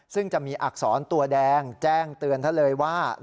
ซึ่งจะมีอักษรตัวแดงแจ้งเตือนว่า